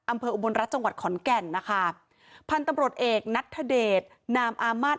อุบลรัฐจังหวัดขอนแก่นนะคะพันธุ์ตำรวจเอกนัทธเดชนามอามาตร